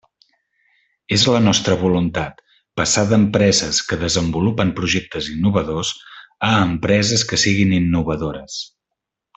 És la nostra voluntat passar d'empreses que desenvolupen projectes innovadors a empreses que siguen innovadores.